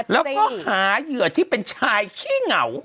แล้วก็หาเหยื่อที่เป็นชายขี้เหงา